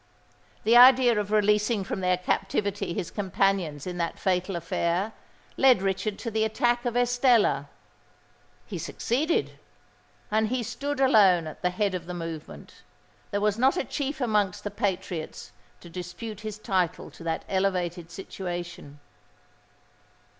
The idea of releasing from their captivity his companions in that fatal affair, led Richard to the attack of Estella. He succeeded—and he stood alone at the head of the movement. There was not a chief amongst the patriots to dispute his title to that elevated situation."